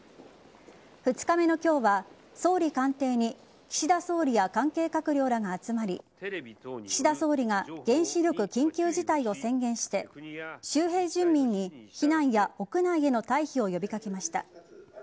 ２日目の今日は総理官邸に岸田総理や関係閣僚らが集まり岸田総理が原子力緊急事態を宣言して周辺住民に避難や屋内への退避を呼び掛けました。